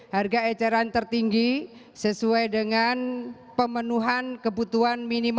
harga eceran tertinggi sesuai dengan pemenuhan kebutuhan